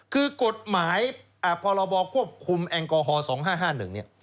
กฏหมายพบควบคุมแอนกอฮอล์๒๕๕๑